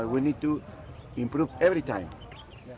tapi kita harus memperbaiki setiap saat